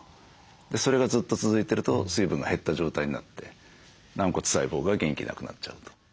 それがずっと続いてると水分が減った状態になって軟骨細胞が元気なくなっちゃうと。